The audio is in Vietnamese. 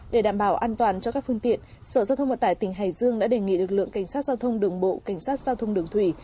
để đảm bảo an toàn cho các phương tiện sở giao thông vận tải tỉnh hải dương đã đề nghị lực lượng cảnh sát giao thông đường bộ cảnh sát giao thông đường thủy